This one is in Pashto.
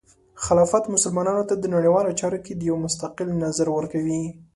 خلافت مسلمانانو ته د نړیوالو چارو کې د یو مستقل نظر ورکوي.